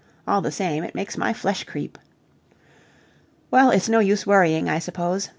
All the same, it makes my flesh creep. Well, it's no use worrying, I suppose.